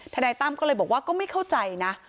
นายตั้มก็เลยบอกว่าก็ไม่เข้าใจนะ